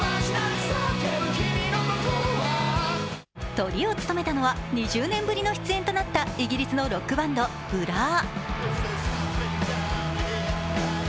トリを務めたのは、２０年ぶりの出演となったイギリスのロックバンド、ＢＬＵＲ。